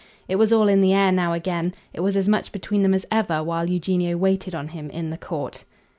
It was all in the air now again; it was as much between them as ever while Eugenio waited on him in the court.